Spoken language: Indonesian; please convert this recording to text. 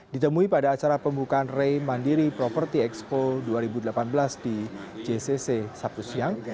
ditemui pada acara pembukaan ray mandiri property expo dua ribu delapan belas di jcc sabtu siang